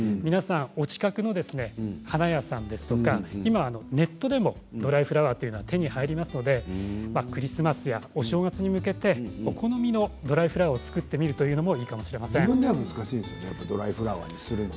お近くの花屋さんですとか今はネットでもドライフラワーは手に入りますのでクリスマスやお正月に向けてお好みのドライフラワーを作ってみるというのも自分では難しいですよね。